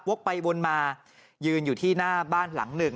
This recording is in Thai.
ไปวนมายืนอยู่ที่หน้าบ้านหลังหนึ่ง